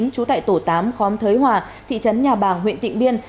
trú tại tổ tám khóm thới hòa thị trấn nhà bàng huyện tịnh biên